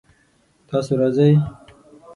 تاسو راځئ؟